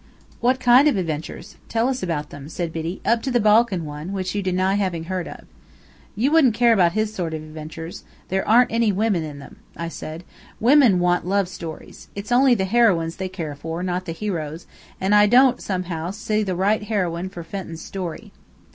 "What kind of adventures? Tell us about them," said Biddy, "up to the Balkan one, which you deny having heard of." "You wouldn't care about his sort of adventures. There aren't any women in them," said I. "Women want love stories. It's only the heroines they care for, not the heroes, and I don't somehow see the right heroine for Fenton's story."